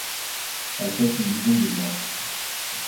Elle fait une dizaine de morts.